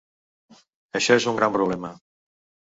Això és un gran problema.